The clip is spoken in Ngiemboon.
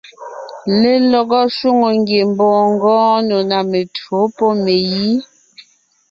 Lelɔgɔ shwòŋo ngiembɔɔn ngɔɔn nò ná mentÿǒ pɔ́ megǐ.